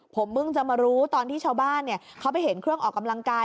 ผมเพิ่งจะมารู้ตอนที่ชาวบ้านเขาไปเห็นเครื่องออกกำลังกาย